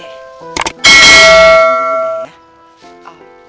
ya udah mak